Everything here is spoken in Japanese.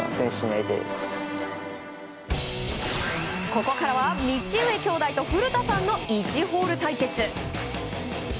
ここからは道上兄妹と古田さんの１ホール対決。